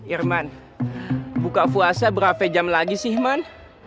irman buka puasa berapa jam lagi sih irman